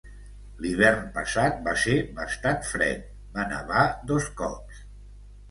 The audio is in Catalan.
L'hivern passat va ser bastant fred, va nevar dos cops.